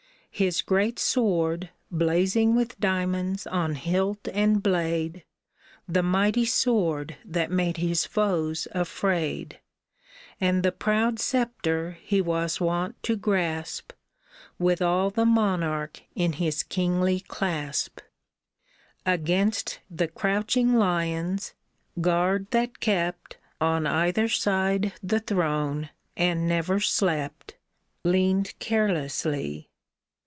His great sword. Blazing with diamonds on hilt and blade, — The mighty sword that made his foes afraid,— And the proud sceptre he was wont to grasp, With all the monarch in his kingly clasp, Against the crouching lions (guard that kept On either side the throne and never slept), Leaned carelessly.